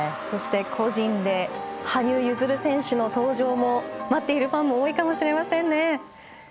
そして個人で羽生結弦選手の登場を待っているファンも多いかもしれません。